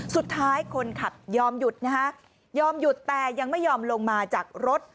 สุดท้ายคนขับยอมหยุดยอมหยุดแต่ยังไม่ยอมลงมาจากรถ